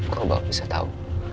kamu baru bisa tahu